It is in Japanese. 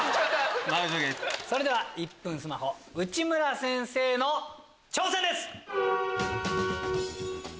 それでは１分スマホ内村先生の挑戦です！